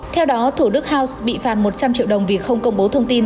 theo đó thủ đức house bị phạt một trăm linh triệu đồng vì không công bố thông tin